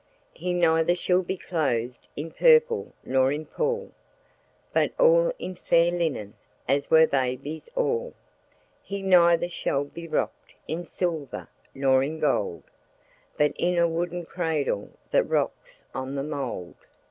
"He neither shall be clothed In purple nor in pall, But in the fair white linen That usen babies all. "He neither shall be rocked In silver nor in gold, But in a wooden manger That resteth in the mould."